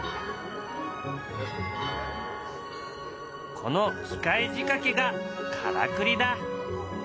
この機械仕掛けがからくりだ。